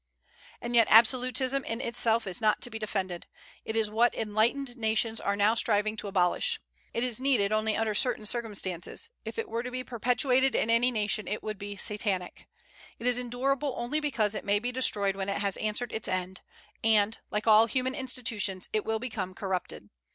And yet absolutism in itself is not to be defended; it is what enlightened nations are now striving to abolish. It is needed only under certain circumstances; if it were to be perpetuated in any nation it would be Satanic. It is endurable only because it may be destroyed when it has answered its end; and, like all human institutions, it will become corrupted.